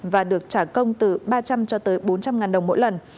và được trả công từ ba trăm linh cho tới bốn trăm linh ngàn đồng mỗi lần